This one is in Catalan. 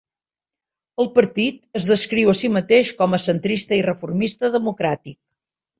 El partit es descriu a si mateix com a centrista i reformista democràtic.